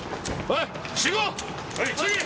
はい！